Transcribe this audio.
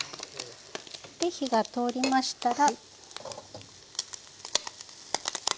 で火が通りましたら。